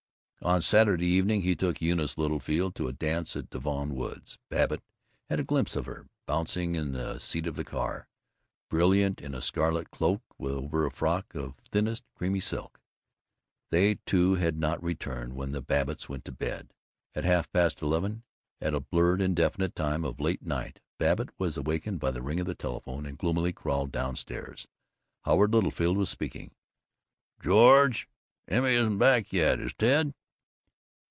On Saturday evening he took Eunice Littlefield to a dance at Devon Woods. Babbitt had a glimpse of her, bouncing in the seat of the car, brilliant in a scarlet cloak over a frock of thinnest creamy silk. They two had not returned when the Babbitts went to bed, at half past eleven. At a blurred indefinite time of late night Babbitt was awakened by the ring of the telephone and gloomily crawled down stairs. Howard Littlefield was speaking: "George, Euny isn't back yet. Is Ted?"